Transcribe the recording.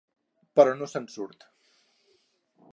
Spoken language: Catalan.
Però no se'n surt.